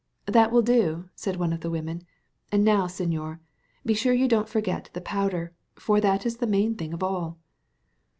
"That will do," said one of the women; "and now, señor, be sure you don't forget the powder, for that is the main thing of all."